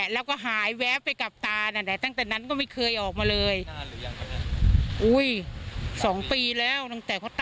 แล้วจำได้ทันทีเลยเหรอ